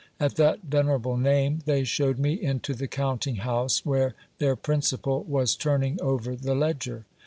At that venerable name they shewed me into the counting house, where their principal was turning over the ledger.